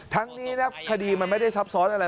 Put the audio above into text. ทั้งนี้นะคดีมันไม่ได้ซับซ้อนอะไร